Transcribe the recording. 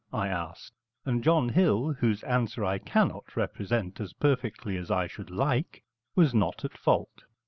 I asked, and John Hill (whose answer I cannot represent as perfectly as I should like) was not at fault.